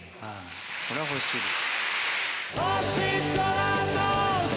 これは欲しいです。